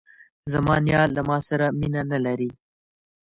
زما نیا له ماسره مینه نه لري.